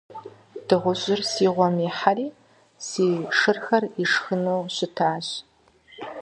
Дыгъужьыр си гъуэм ихьэри си шырхэр ишхыну щытащ!